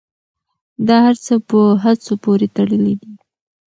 دا هر څه په هڅو پورې تړلي دي.